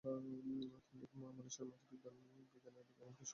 তেমনি মানুষের মাঝে বিজ্ঞানের জ্ঞান কে বিকশিত করা এর একটি অন্যতম প্রধান উদ্যেশ্য।